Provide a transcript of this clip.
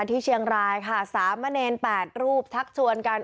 ที่เชียงรายค่ะสามเณร๘รูปชักชวนกัน